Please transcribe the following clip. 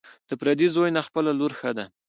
ـ د پردي زوى نه، خپله لور ښه ده.